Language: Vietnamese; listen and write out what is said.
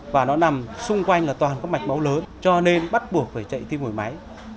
và nó nằm xung quanh là toàn có mạch máu lớn cho nên bắt buộc phải chạy tim phổi máy